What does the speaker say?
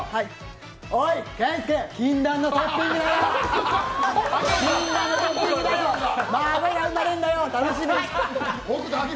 おい、健介禁断のトッピングだよ！